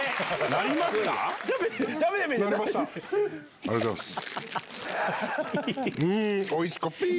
ありがとうございます。